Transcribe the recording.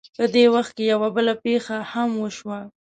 په دې وخت کې یوه بله پېښه هم وشوه.